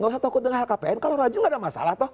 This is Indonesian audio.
kalau takut dengan lhkpn kalau rajin tidak ada masalah